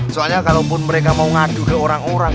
soalnya kalaupun mereka mau ngadu ke orang orang